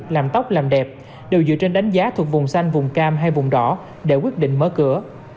làm tóc làm đẹp đều dựa trên đánh giá thuộc vùng xanh vùng cam hay vùng đỏ để quyết định mở cửa